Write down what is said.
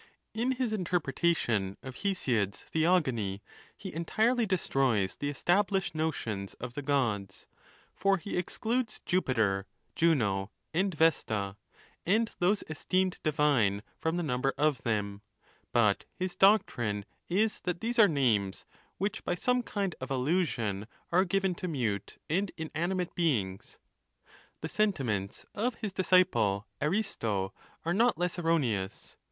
In his interpretation of Hesiod's Thcogony,^ he entirely destroys the established notions of the Gods; for he excludes Jupiter, Juno, and Vesta, and those esteemed divine, from the number of them ; but his doctrine is that these are names which by some kind of allusion are given to' mute and inanimate beings. The sentiments of his dis ciple Aiisto are not less erroneous.